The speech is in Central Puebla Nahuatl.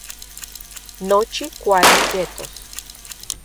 Nochi kuali yetos